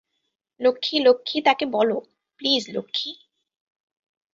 লক্ষ্মী, লক্ষ্মী তাকে বল, প্লিজ, লক্ষ্মী।